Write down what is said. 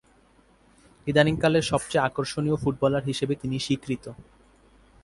ইদানীং কালের সবচেয়ে আকর্ষনীয় ফুটবলার হিসেবে তিনি স্বীকৃত।